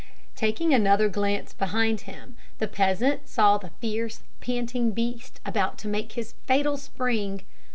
Taking another glance behind him, the peasant saw the fierce, panting beast about to make his fatal spring.